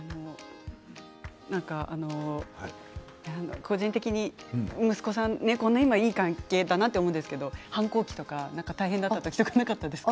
個人的に息子さん今いい関係だなと思うんですけど反抗期とか大変だった時とかなかったですか。